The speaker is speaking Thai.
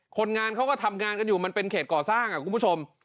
คนงานเขาก็ทำงานกันอยู่มันเป็นเขตก่อสร้างคุณผู้ชม